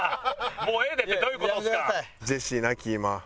「もうええで」ってどういう事ですか？